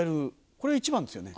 これが一番ですよね。